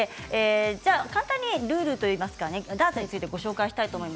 簡単にルールというかダーツついてご紹介します。